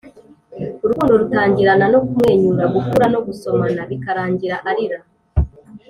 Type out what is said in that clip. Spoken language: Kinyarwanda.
urukundo rutangirana no kumwenyura, gukura no gusomana, bikarangira arira